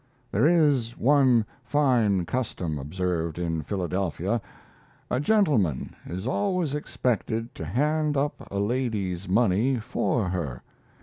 There is one fine custom observed in Phila. A gentleman is always expected to hand up a lady's money for her.